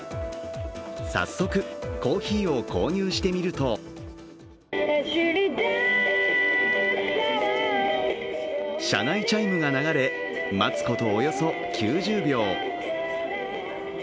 早速、コーヒーを購入してみると車内チャイムが流れ、待つことおよそ９０秒。